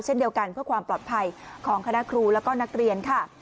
เช่นเดียวกันเพื่อความปลอดภัยของคณะครูแล้วก็นักเรียนค่ะ